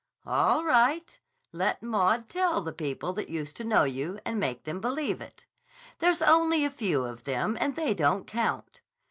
"All right. Let Maud tell the people that used to know you, and make them believe it. There's only a few of them and they don't count.